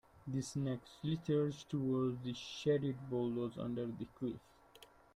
The snake slithered toward the shaded boulders under the cliff.